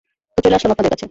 তো চলে আসলাম আপনাদের কাছে।